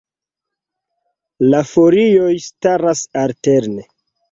La folioj staras alterne.